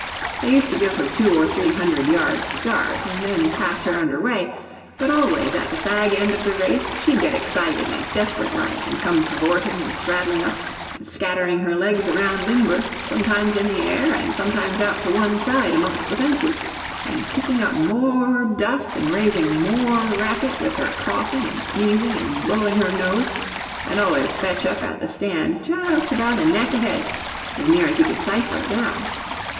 They used to give her two or three hundred yards start, and then pass her under way; but always at the fag end of the race she'd get excited and desperate like, and come cavorting and straddling up, and scattering her legs around limber, sometimes in the air, and sometimes out to one side amongst the fences, and kicking up m o r e dust and raising m o r e racket with her coughing and sneezing and blowing her nose—and always fetch up at the stand just about a neck ahead, as near as you could cipher it down.